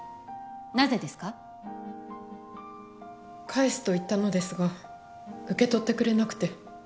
返すと言ったのですが受け取ってくれなくて。